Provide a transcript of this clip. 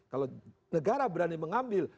kalau negara berani mengambil